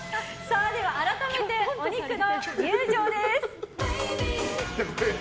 改めてお肉の入場です。